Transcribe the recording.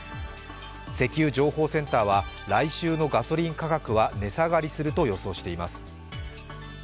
石油情報センターは来週のガソリン価格は値下がりすると予想しています。